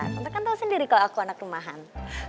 tante kan tau sendiri kalau aku anak rumahan